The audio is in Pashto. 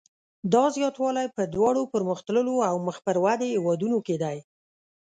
دا زیاتوالی په دواړو پرمختللو او مخ پر ودې هېوادونو کې دی.